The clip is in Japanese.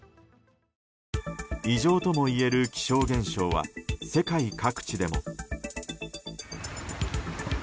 異常ともいえる気象現象は世界各地でも。